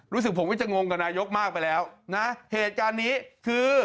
รู้สึกผมก็จะงงกับนายกมากไปแล้วนะเหตุการณ์นี้คือ